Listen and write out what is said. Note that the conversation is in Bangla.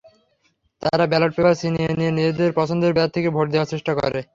তারা ব্যালট পেপার ছিনিয়ে নিয়ে নিজেদের পছন্দের প্রার্থীকে ভোট দেওয়ার চেষ্টা করে।